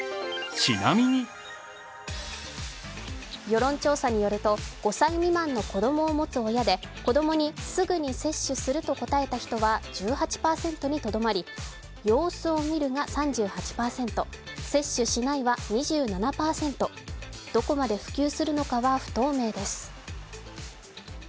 世論調査によると５歳未満の子どもを持つ親で子供にすぐに接種すると答えた人は１８％にとどまり様子をみるが３８％、接種しないが２７％、どこまで普及するのかは不透明です。